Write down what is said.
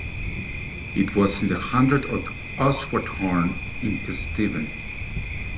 It was in the Hundred of Aswardhurn, in Kesteven.